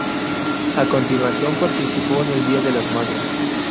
A continuación, participó en el Día de las Madres.